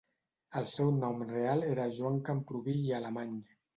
El seu nom real era Joan Camprubí i Alemany.